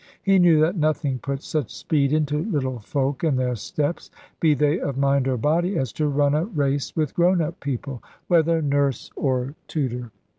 He knew that nothing puts such speed into little folk and their steps be they of mind or body as to run a race with grown up people, whether nurse or tutor.